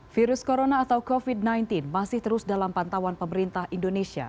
virus corona atau covid sembilan belas masih terus dalam pantauan pemerintah indonesia